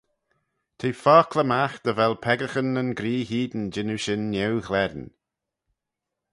T'eh fockley magh dy vel peccaghyn nyn gree hene jannoo shin neu-ghlen.